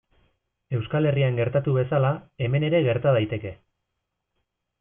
Euskal Herrian gertatu bezala, hemen ere gerta daiteke.